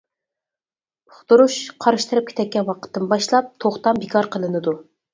ئۇقتۇرۇش قارشى تەرەپكە تەگكەن ۋاقىتتىن باشلاپ توختام بىكار قىلىنىدۇ.